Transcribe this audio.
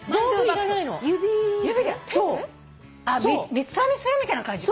三つ編みするみたいな感じか。